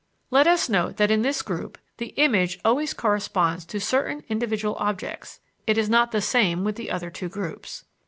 Let us note that in this group the image always corresponds to certain individual objects; it is not the same with the other two groups.